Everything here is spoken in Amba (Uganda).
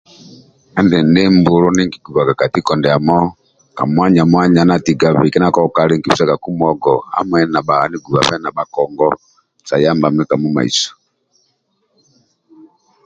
Endindi mbulu ndie nikigubaga ka tiko ndiamo ka mwanya mwanya ndia atigabe kindia koko kali nkibisagaku muogo hamui na bha nigubabe na bhakongo sa yambami ka mumaiso